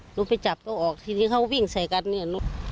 หนูไปจับเขาออกทีที่เขาวิ่งใส่กันเนี่ย